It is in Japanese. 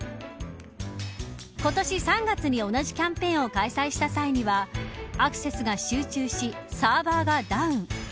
今年３月に同じキャンペーンを開催した際にはアクセスが集中しサーバーがダウン。